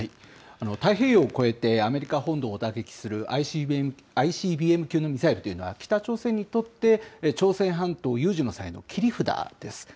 太平洋を越えて、アメリカ本土を打撃するＩＣＢＭ級のミサイルは、北朝鮮にとって朝鮮半島有事の際の切り札です。